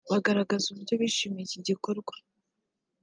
bagaragaza uburyo bishimiye iki gikorwa